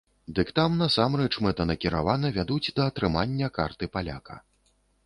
Дык там насамрэч мэтанакіравана вядуць да атрымання карты паляка.